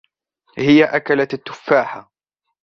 هي أكلت التفاحة.